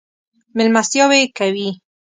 مېلمستیاوې یې کوي.